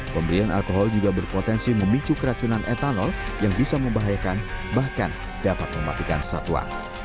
pemberian alkohol juga berpotensi memicu keracunan etanol yang bisa membahayakan bahkan dapat mematikan satwa